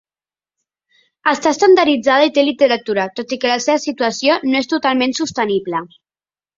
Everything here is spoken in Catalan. Està estandarditzada i té literatura, tot i que la seva situació no és totalment sostenible.